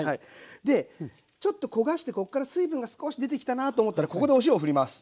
でちょっと焦がしてこっから水分が少し出てきたなと思ったらここでお塩を振ります。